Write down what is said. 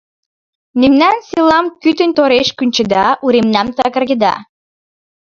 Мемнан селам кутынь-тореш кӱнчеда, уремнам каргеда!